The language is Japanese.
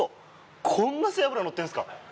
こんな背脂、乗ってるんですか？